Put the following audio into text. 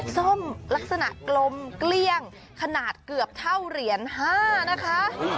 ส้มลักษณะกลมเกลี้ยงขนาดเกือบเท่าเหรียญ๕นะคะ